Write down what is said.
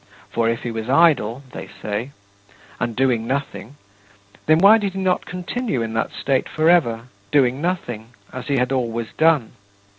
For if he was idle," they say, "and doing nothing, then why did he not continue in that state forever doing nothing, as he had always done?